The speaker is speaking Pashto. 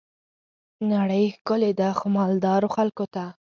نړۍ ښکلي ده خو، مالدارو خلګو ته.